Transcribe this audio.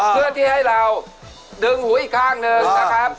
เพื่อนที่ให้เราดึงหูอีกข้างหนึ่งนะครับ